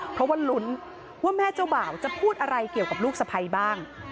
เพราะว่าลุ้นว่าแม่เจ้าบ่าวจะพูดอะไรเกี่ยวกับลูกสะพ้ายบ้าง